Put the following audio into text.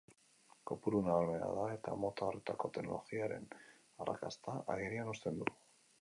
Kopuru nabarmena da, eta mota horretako teknologiaren arrakasta agerian uzten du.